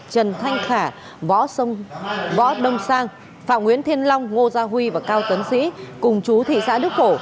trần thanh khả võ đông sang phạm nguyễn thiên long ngô gia huy và cao tuấn sĩ cùng chú thị xã đức phổ